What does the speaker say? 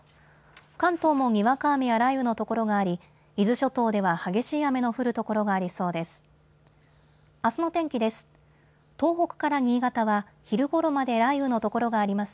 関東もにわか雨や雷雨の所があり、伊豆諸島では激しい雨の降る所がありそうです。